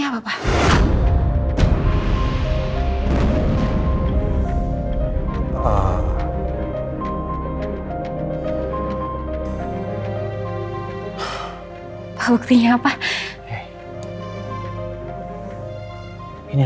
papa punya bukti